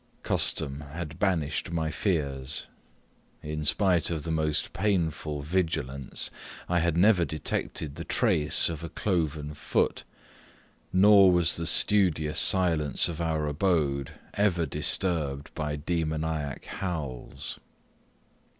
Custom had banished my fears. In spite of the most painful vigilance, I had never detected the trace of a cloven foot; nor was the studious silence of our abode ever disturbed by demoniac howls.